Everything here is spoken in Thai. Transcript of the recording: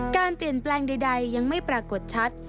การเปลี่ยนแปลงใดยังไม่ปรากฏชัด